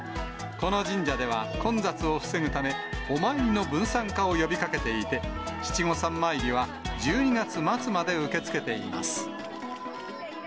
この神社では、混雑を防ぐため、お参りの分散化を呼びかけていて、七五三参りは１２月末まで受け付けています。